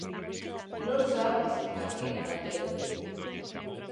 Non sabes a que aterte.